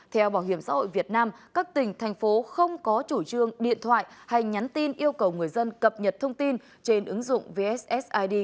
theo bảo hiểm xã hội việt nam các tỉnh thành phố không có chủ trương điện thoại hay nhắn tin yêu cầu người dân cập nhật thông tin trên ứng dụng vssid